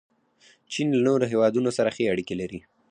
چین له نورو هیوادونو سره ښې اړیکې لري.